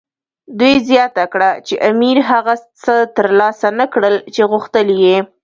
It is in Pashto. دوی زیاته کړه چې امیر هغه څه ترلاسه نه کړل چې غوښتل یې.